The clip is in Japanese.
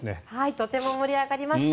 とても盛り上がりました。